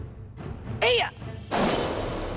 エイヤッ！